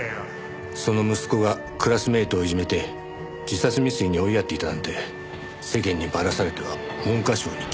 その息子がクラスメートをいじめて自殺未遂に追いやっていたなんて世間にばらされては文科省に傷がつく。